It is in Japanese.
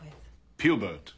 ピューバート。